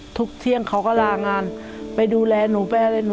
ทุกเที่ยงเขาก็ลางานไปดูแลหนูแป้นหนู